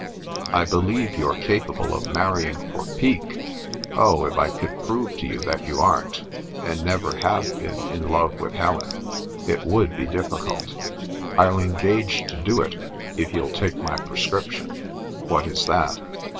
" I believe you're capable of manning for pique. Oh, if I could prove to you that you aren't, and never have been, in love with Helen !"" It would be difficult" " I'll engage to do it, if you'll take my prescrip tion." "What is that?"